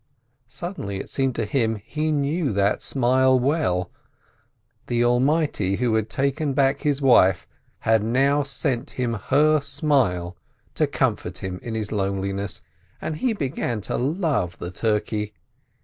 Sud denly it seemed to him, he knew that smile well — the Almighty, who had taken back his wife, had now sent him her smile to comfort him in his loneliness, and he began to love the turkey.